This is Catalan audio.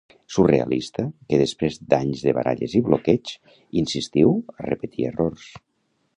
Surrealista que després d'anys de baralles i bloqueig, insistiu a repetir errors.